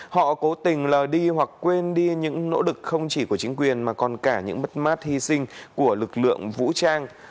họ cố tình lờ đi hoặc quên đi những nỗ lực không chỉ của chính quyền mà còn cả những mất mát hy sinh của lực lượng vũ trang